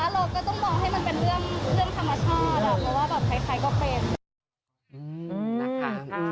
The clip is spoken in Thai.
เราก็ต้องมองให้มันเป็นเรื่องธรรมชาติเพราะว่าแบบใครก็เป็นนะคะ